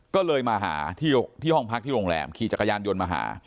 ก็เลยมาหาที่ห้องพักที่โรงแรมขี่จักรยานยนต์มาหา